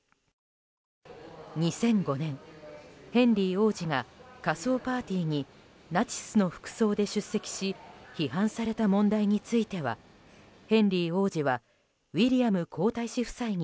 ２００５年、ヘンリー王子が仮装パーティーにナチスの服装で出席し批判された問題についてはヘンリー王子はウィリアム皇太子夫妻に